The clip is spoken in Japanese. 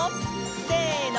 せの！